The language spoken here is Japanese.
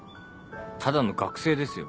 ただの学生ですよ。